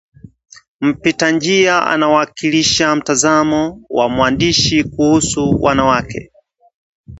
Mpitanjia anawakilisha mtazamo wa mwandishi kuhusu wanawake